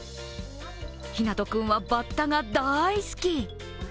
陽南斗君はバッタが大好き。